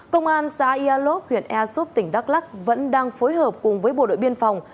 công an xã yà lốc huyện ea súp tỉnh đắk lắc vẫn đang phối hợp cùng với bộ đội biên phòng